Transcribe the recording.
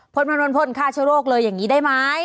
พลนท์มานอนพลนท์ฆ่าเชื้อโรคเลยอย่างนี้ได้ไหม